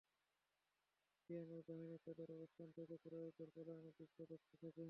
তীরন্দাজ বাহিনী তাদের অবস্থান থেকে কুরাইশদের পলায়নের দৃশ্য দেখতে থাকেন।